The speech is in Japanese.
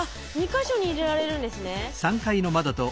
２か所に入れられるんですね。